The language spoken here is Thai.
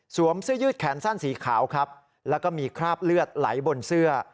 เสื้อยืดแขนสั้นสีขาวครับแล้วก็มีคราบเลือดไหลบนเสื้อ